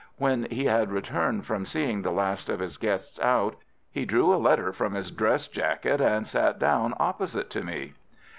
When he had returned from seeing the last of his guests out, he drew a letter from his dress jacket and sat down opposite to me.